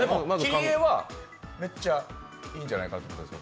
切り絵はめっちゃいいんじゃないかと。